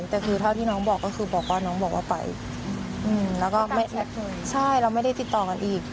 แต่คือเท่าที่น้องบอกก็คือบอกว่าน้องบอกว่าไปแล้วก็ไม่แท็กเลยใช่เราไม่ได้ติดต่อกันอีก